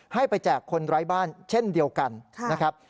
ให้ไปแจกคนไร้บ้านเช่นเดียวกันนะครับ